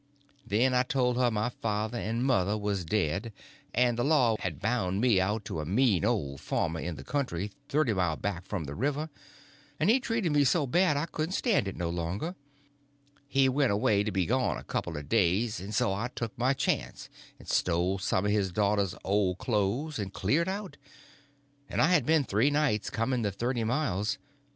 Then I told her my father and mother was dead, and the law had bound me out to a mean old farmer in the country thirty mile back from the river, and he treated me so bad I couldn't stand it no longer; he went away to be gone a couple of days, and so I took my chance and stole some of his daughter's old clothes and cleared out, and I had been three nights coming the thirty miles.